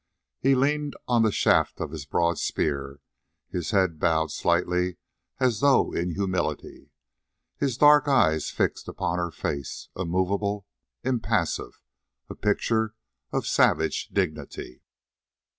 He leant on the shaft of his broad spear, his head bowed slightly as though in humility, his dark eyes fixed upon her face, immovable, impassive, a picture of savage dignity.